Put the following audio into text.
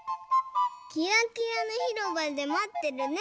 「キラキラのひろばでまってるね。